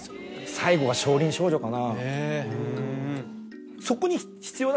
最後が『少林少女』かな。